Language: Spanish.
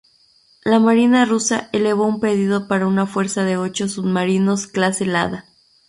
La Marina rusa elevó un pedido para una fuerza de ocho submarinos Clase Lada.